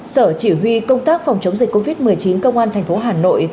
sở chỉ huy công tác phòng chống dịch covid một mươi chín công an tp hà nội